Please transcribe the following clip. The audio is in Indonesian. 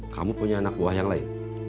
kamu punya anak buah yang lain